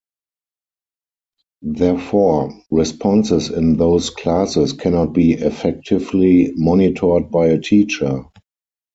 Therefore, responses in those classes cannot be effectively monitored by a teacher.